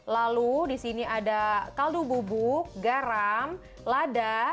lalu disini ada kaldu bubuk garam lada